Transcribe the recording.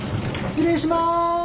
失礼します。